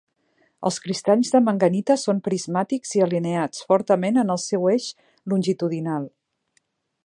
Els cristalls de manganita són prismàtics i alineats fortament en el seu eix longitudinal.